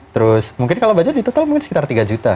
terus mungkin kalau baca di total mungkin sekitar tiga juta